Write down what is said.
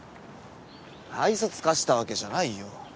愛想尽かしたわけじゃないよ。